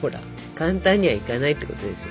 簡単にはいかないってことですよ。